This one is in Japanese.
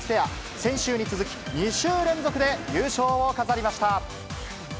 先週に続き、２週連続で優勝を飾りました。